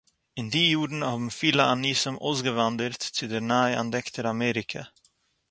אין די יאָרן האָבן פילע אנוסים אויסגעוואַנדערט צו דער ניי-אַנטדעקטער אַמעריקע